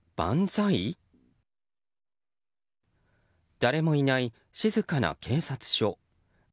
誰もいない静かな警察署。